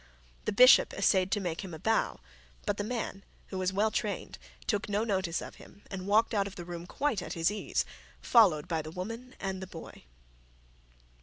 The bishop assayed to make him a bow, but the man, who was well trained, took no notice of him, and walked out of the room, quite at his ease, followed by the woman and the boy.